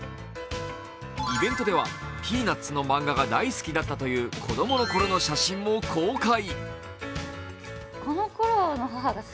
イベントでは「ピーナッツ」の漫画が大好きだったという子供のころの写真も公開。